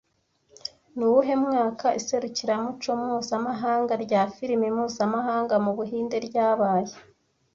Ni uwuhe mwaka Iserukiramuco mpuzamahanga rya Filime mpuzamahanga mu Buhinde ryabaye